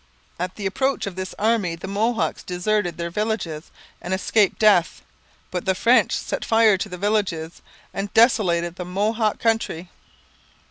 At the approach of this army the Mohawks deserted their villages and escaped death. But the French set fire to the villages and desolated the Mohawk country.